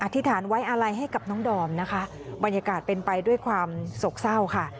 ธิษฐานไว้อะไรให้กับน้องดอมนะคะบรรยากาศเป็นไปด้วยความโศกเศร้าค่ะ